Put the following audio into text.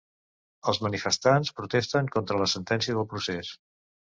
Els manifestants protesten contra la sentència del procés.